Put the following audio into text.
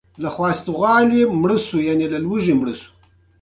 تاریخ د خپل ولس د ښاري ژوند انځور دی.